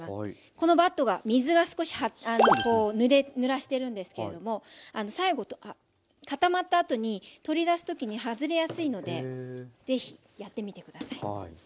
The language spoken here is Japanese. このバットが水が少しこうぬらしてるんですけれども最後固まったあとに取り出す時に外れやすいのでぜひやってみて下さい。